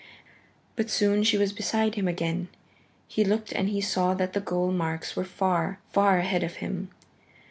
But soon she was beside him again. He looked, and he saw that the goal marks were far, far ahead of him.